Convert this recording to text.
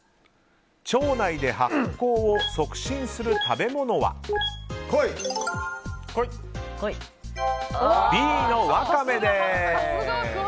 腸内で発酵を促進する食べ物はＢのワカメです。